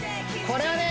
これはね